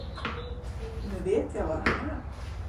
Nu vet jag var han är.